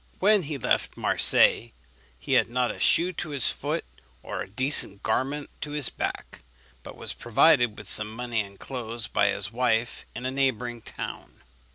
When he left Marseilles, he had not a shoe to his foot or a decent garment to his back, but was provided with some money and clothes by his wife in a neighbouring town.